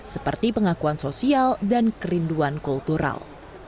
seperti pengakuan sosial dan kerinduan kultural